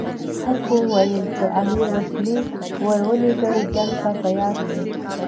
خلکو ویل که امیر وسلې ورولېږي جنګ ته تیار دي.